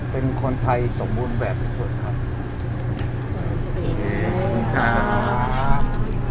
เป็นคนไทยสมบูรณ์แบบทุกคนครับ